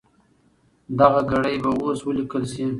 دغه ګړې به اوس ولیکل سي.